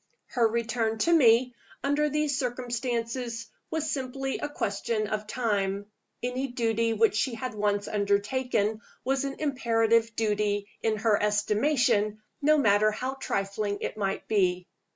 Her return to me, under these circumstances, was simply a question of time: any duty which she had once undertaken was an imperative duty in her estimation, no matter how trifling it might be.